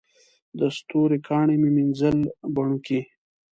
د ستورو کاڼي مې مینځل بڼوکي